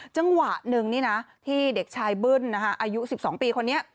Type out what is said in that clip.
จังหวะหนึ่งนี่นะที่เด็กชายบึ้นอายุ๑๒ปีคนนี้